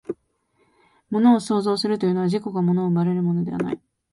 物を創造するというのは、自己が物に奪われることではない。